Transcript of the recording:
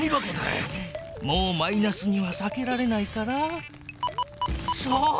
もうマイナスにはさけられないからそう！